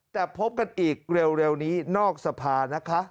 แต่พบกันอีกเร็วนี้นอกสภานะคะ